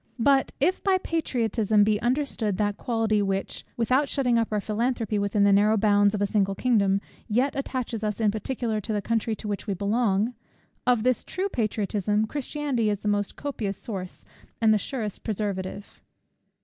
But if by patriotism be understood that quality which, without shutting up our philanthropy within the narrow bounds of a single kingdom, yet attaches us in particular to the country to which we belong; of this true patriotism, Christianity is the most copious source, and the surest preservative.